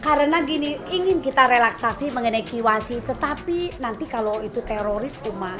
karena gini ingin kita relaksasi mengenai kiwasi tetapi nanti kalau itu teroris umat